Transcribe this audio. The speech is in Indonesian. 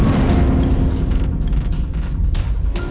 dia adalah saksi dalam kasus pemenuhan roy